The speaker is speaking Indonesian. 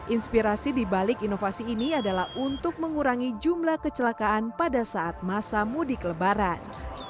inspirasi dibalik inovasi ini adalah untuk mengurangi jumlah kecelakaan pada saat masa mudik lebaran